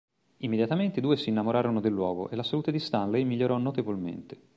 Immediatamente i due si innamorarono del luogo e la salute di Stanley migliorò notevolmente.